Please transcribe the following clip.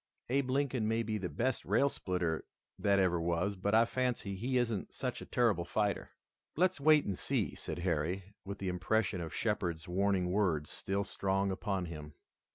"Abe Lincoln may be the best rail splitter that ever was, but I fancy he isn't such a terrible fighter." "Let's wait and see," said Harry, with the impression of Shepard's warning words still strong upon him.